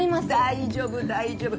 大丈夫大丈夫